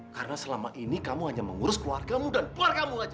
karena selama ini kamu hanya mengurus keluargamu dan keluarga kamu aja